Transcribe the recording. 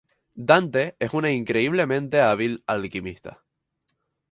Dante es una increíblemente hábil alquimista.